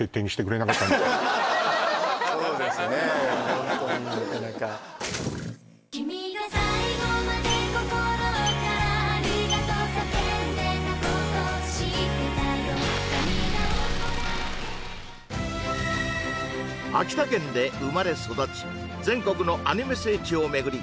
ホントになかなか秋田県で生まれ育ち全国のアニメ聖地を巡り